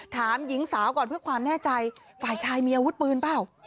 ถามหญิงสาวก่อนเพื่อความแน่ใจฝ่ายชายมีอาวุธปืนเปล่า